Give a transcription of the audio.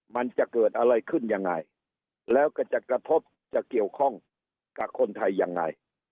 มันจะเกิดอะไรขึ้นยังไงแล้วก็จะกระทบจะเกี่ยวข้องกับคนไทยยังไง